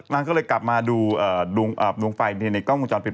นางก็เลยกลับมาดูดวงไฟในกล้องวงจรปิด